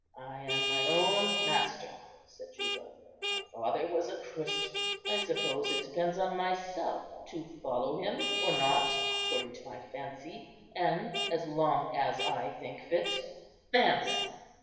"I am my own master," said Juba; "my father was a Christian. I suppose it depends on myself to follow him or not, according to my fancy, and as long as I think fit." "Fancy!